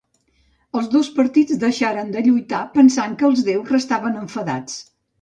Els dos partits deixaren de lluitar pensant que els déus restaven enfadats.